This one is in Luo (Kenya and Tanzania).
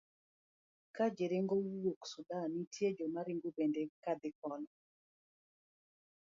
ka ji ringo wuok Sudan, nitie joma ringo bende kadhi kono.